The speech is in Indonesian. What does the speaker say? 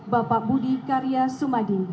bapak budi karya sumadi